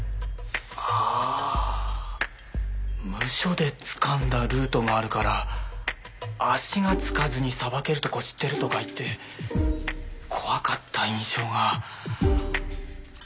ああムショでつかんだルートがあるから足がつかずにさばけるとこ知ってるとか言って怖かった印象が。